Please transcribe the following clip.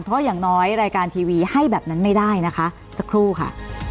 เพราะอย่างน้อยรายการทีวีให้แบบนั้นไม่ได้นะคะสักครู่ค่ะ